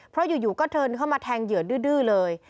เพราะอยู่ก็เดินเข้ามาแทงเหยื่อดื้อเลย